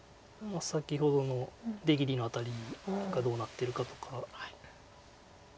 先ほどの出切りの辺りがどうなってるかとか。